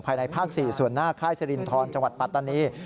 ในภาค๔ส่วนหน้าค่ายสรินทรจังหวัดปัตตานี